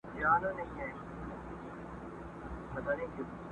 ښکلي سیمي لوی ښارونه یې سور اور کړ!!